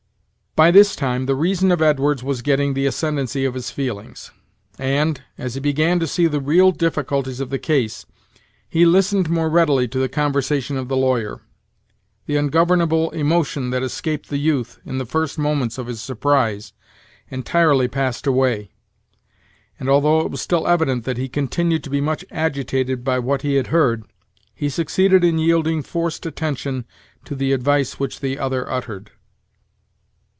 By this time the reason of Edwards was getting the ascendency of his feelings, and, as he began to see the real difficulties of the case, he listened more readily to the conversation of the lawyer. The ungovernable emotion that escaped the youth, in the first moments of his surprise, entirely passed away; and, although it was still evident that he continued to be much agitated by what he had heard, he succeeded in yielding forced attention to the advice which the other uttered.